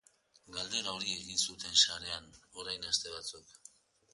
Galdera hori egin zuten sarean, orain aste batzuk.